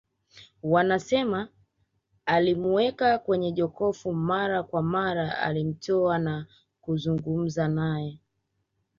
Wanasema alimuweka kwenye jokofu mara kwa mara alimtoa na kuzungumza naye